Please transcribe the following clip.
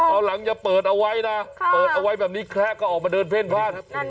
เอาหลังอย่าเปิดเอาไว้นะเปิดเอาไว้แบบนี้แคละก็ออกมาเดินเพ่นพลาดครับ